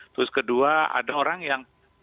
terus kedua ada orang yang